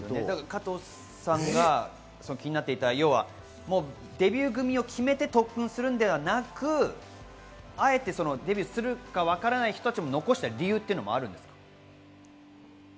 加藤さんが気になっていたデビュー組を決めて特訓するのではなく、あえてデビューするかわからない人たちも残した理由もあるんですか？